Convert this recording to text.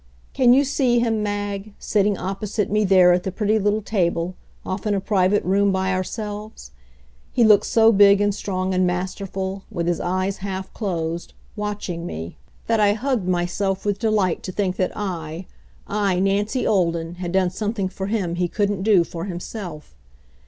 Can you see him, Mag, sitting opposite me there at the pretty little table, off in a private room by ourselves? He looked so big and strong and masterful, with his eyes half closed, watching me, that I hugged myself with delight to think that I I, Nancy Olden, had done something for him he couldn't do for himself.